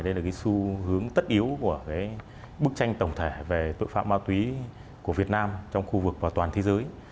đây là cái xu hướng tất yếu của bức tranh tổng thể về tội phạm ma túy của việt nam trong khu vực và toàn thế giới